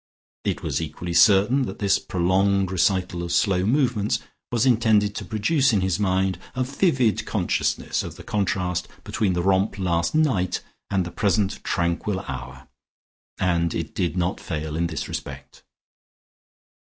It was equally certain that this prolonged recital of slow movements was intended to produce in his mind a vivid consciousness of the contrast between the romp last night and the present tranquil hour, and it did not fail in this respect.